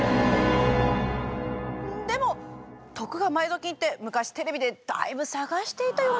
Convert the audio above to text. でも徳川埋蔵金って昔テレビでだいぶ探していたような。